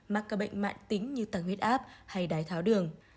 mắc các bệnh mạng tính như tăng huyết áp hay đái tháo đường